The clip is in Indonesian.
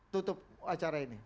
tutup acara ini